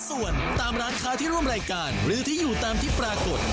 ส่วนตามร้านค้าที่ร่วมรายการหรือที่อยู่ตามที่ปรากฏ